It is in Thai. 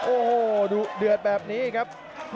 โอ้โหดุเดือดแบบนี้ครับ